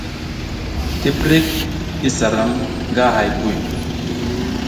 Tiprik isa ram nga hay buy.